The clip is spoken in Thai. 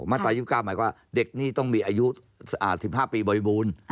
มาตราย๒๙หมายว่าเด็กนี่ต้องมีอายุ๑๕ปีบริบูรณ์